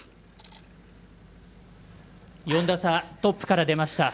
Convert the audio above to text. ４打差、トップから出ました。